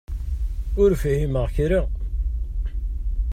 Ur fhimeɣ kra.